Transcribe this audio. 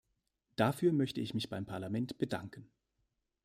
Dafür möchte ich mich beim Parlament bedanken.